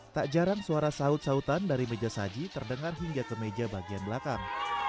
tak jarang suara saut sautan dari meja saji terdengar hingga ke meja bagian belakang